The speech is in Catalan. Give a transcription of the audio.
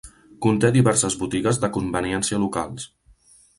Conté diverses botigues de conveniència locals.